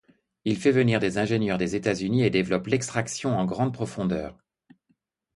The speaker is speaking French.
Il fait venir des ingénieurs des États-Unis et développe l'extraction en grande profondeur.